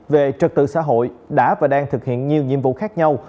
về trật tự xã hội đã và đang thực hiện nhiều nhiệm vụ khác nhau